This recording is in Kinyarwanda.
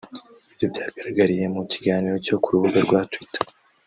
Ibyo byagaragariye mu kiganiro cyo ku rubuga rwa twitter